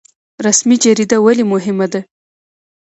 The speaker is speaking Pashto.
رسمي جریده ولې مهمه ده؟